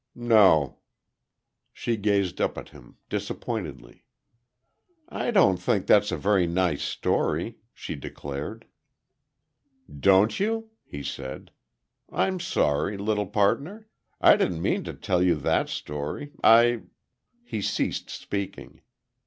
"No." She gazed up at him, disappointedly. "I don't think that's a very nice story," she declared. "Don't you?" he said; "I'm sorry, little partner. I didn't mean to tell you that story. I " He ceased speaking.